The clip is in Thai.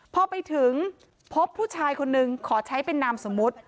พอไปถึงพบผู้ชายคนนึงขอใช้เป็นนามสมมุติ